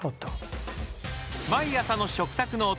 毎朝の食卓のお供